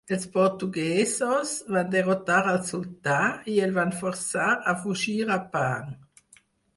Els portuguesos van derrotar al sultà i el van forçar a fugir a Pahang.